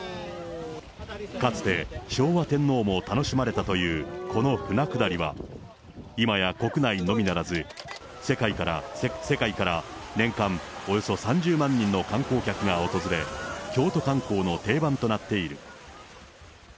かつて昭和天皇も楽しまれたというこの船下りは、今や国内のみならず、世界から年間およそ３０万人の観光客が訪れ、京都観光の定番となっている。